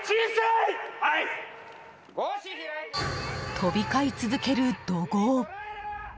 飛び交い続ける怒号。